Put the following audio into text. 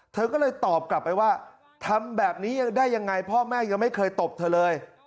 เธอก็เลยตอบกลับไปว่าทำแบบนี้ได้ยังไงพ่อแม่ยังไม่เคยตบเธอเลย